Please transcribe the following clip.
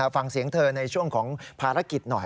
ฟังเสียงเธอในช่วงของภารกิจหน่อย